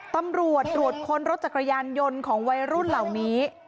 ตำรวจตรวจค้นรถจักรยานยนต์ของวัยรุ่นเหล่านี้